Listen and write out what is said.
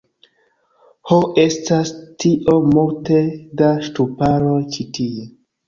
Ho, estas tiom multe da ŝtuparoj ĉi tie